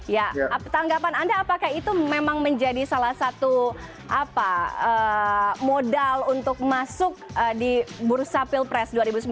ya tanggapan anda apakah itu memang menjadi salah satu modal untuk masuk di bursa pilpres